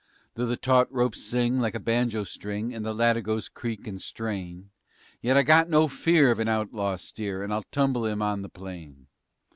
Though the taut ropes sing like a banjo string And the latigoes creak and strain, Yet I got no fear of an outlaw steer And I'll tumble him on the plain.